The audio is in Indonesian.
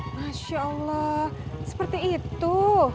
masya allah seperti itu